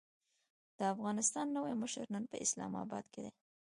د افغانستان نوی مشر نن په اسلام اباد کې دی.